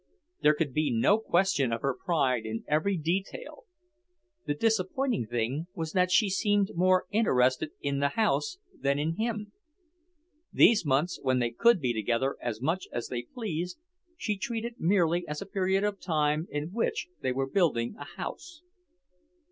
There could be no question of her pride in every detail. The disappointing thing was that she seemed more interested in the house than in him. These months when they could be together as much as they pleased, she treated merely as a period of time in which they were building a house.